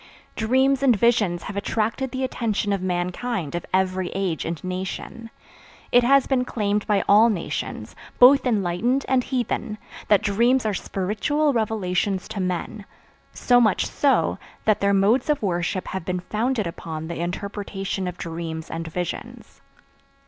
Dreams and visions have attracted the attention of mankind of every age and nation. It has been claimed by all nations, both enlightened and heathen, that dreams are spiritual revelations to men; so much so, that their modes of worship have been founded upon the interpretation of dreams and visions.